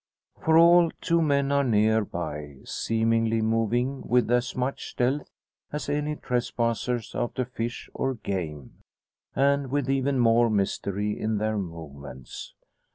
For all, two men are near by, seemingly moving with as much stealth as any trespassers after fish or game, and with even more mystery in their movements.